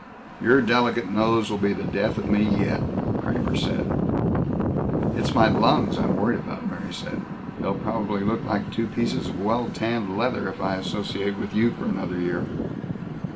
"Your delicate nose will be the death of me yet " Kramer said. "It's my lungs I'm worried about," Mary said. "They'll probably look like two pieces of well tanned leather if I associate with you for another year."